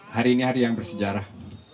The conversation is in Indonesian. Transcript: hari ini hari yang bersejarah